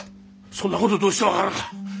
そんな事どうして分かるんだ？